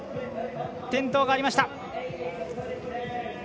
転倒がありました。